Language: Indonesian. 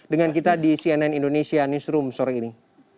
dengan kita di cnn indonesia newsroom sore ini